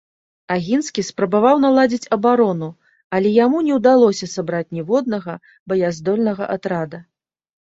Агінскі спрабаваў наладзіць абарону, але яму не ўдалося сабраць ніводнага баяздольнага атрада.